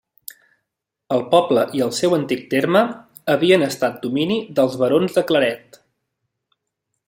El poble i el seu antic terme havien estat domini dels barons de Claret.